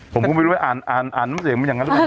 ผมก็ไม่รู้ไปอ่านน้ำเสียงมันอย่างนั้นหรือเปล่า